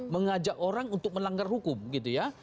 mengajak orang untuk melanggar hukum gitu ya